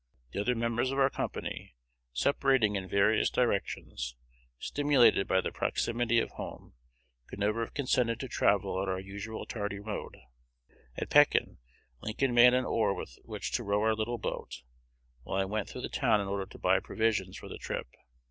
The other members of our company, separating in various directions, stimulated by the proximity of home, could never have consented to travel at our usual tardy mode. At Pekin, Lincoln made an oar with which to row our little boat, while I went through the town in order to buy provisions for the trip.